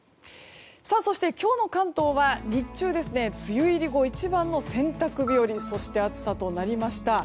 そして、今日の関東は日中、梅雨入り後一番の洗濯日和そして暑さとなりました。